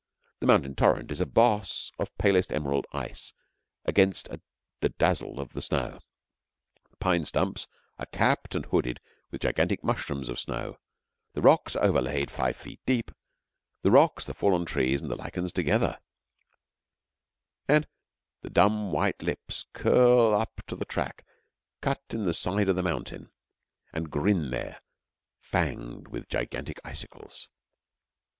The mountain torrent is a boss of palest emerald ice against the dazzle of the snow; the pine stumps are capped and hooded with gigantic mushrooms of snow; the rocks are overlaid five feet deep; the rocks, the fallen trees, and the lichens together, and the dumb white lips curl up to the track cut in the side of the mountain, and grin there fanged with gigantic icicles.